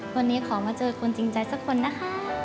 วันนี้ขอมาเจอคนจริงใจสักคนนะคะ